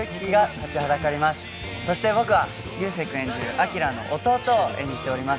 そして僕は流星君演じる彬の弟を演じております。